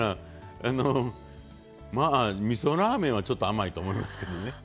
みそラーメンはちょっと甘いと思いますけどね。